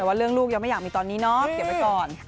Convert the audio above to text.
แต่ว่าเรื่องลูกยังไม่อยากมีตอนนี้เนาะเก็บไว้ก่อน